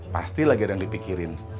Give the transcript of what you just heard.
pasti lagi ada yang dipikirin